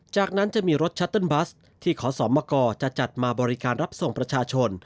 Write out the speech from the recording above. จากนั้นจะมีรถชัตเติ้ลบัสที่ขอสมกจะจัดมาบริการรับส่งประชาชน